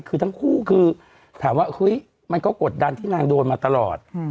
คือทั้งคู่คือถามว่าเฮ้ยมันก็กดดันที่นางโดนมาตลอด